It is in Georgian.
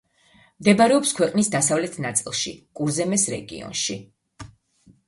მდებარეობს ქვეყნის დასავლეთ ნაწილში, კურზემეს რეგიონში.